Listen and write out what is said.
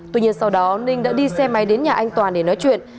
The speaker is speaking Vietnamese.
tuy nhiên sau đó ninh đã đi xe máy đến nhà anh toàn để nói chuyện